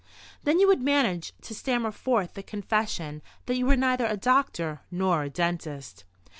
Then you would manage to stammer forth the confession that you were neither a doctor nor a dentist.